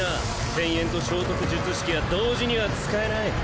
「展延」と生得術式は同時には使えない。